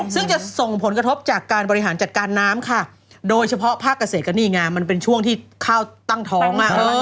ซึ่งจะส่งผลกระทบจากการบริหารจัดการน้ำค่ะโดยเฉพาะภาคเกษตรก็นี่ไงมันเป็นช่วงที่ข้าวตั้งท้อง